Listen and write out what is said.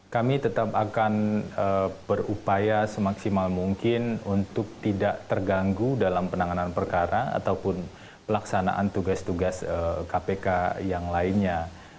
kami tetap akan berupaya semaksimal mungkin untuk tidak terganggu dalam penanganan perkara ataupun pelaksanaan tugas tugas kpk yang lainnya